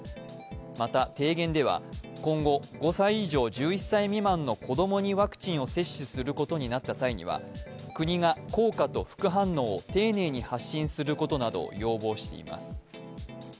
また、提言では今後５歳以上１１歳未満の子供にワクチンを接種することになった際には国が効果と副反応を丁寧に発信することなどを要望しています。